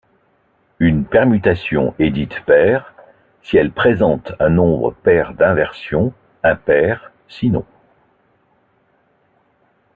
Une permutation est dite paire si elle présente un nombre pair d'inversions, impaire sinon.